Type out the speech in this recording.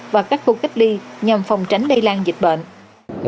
và các khu cách ly nhằm phòng tránh lây lan dịch bệnh